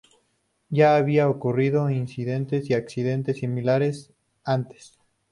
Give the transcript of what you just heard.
Ya habían ocurrido incidentes y accidentes similares antes.